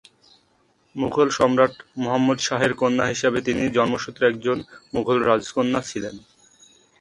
মুগল সম্রাট মুহম্মদ শাহের কন্যা হিসেবে তিনি জন্মসূত্রে একজন মুগল রাজকন্যা ছিলেন।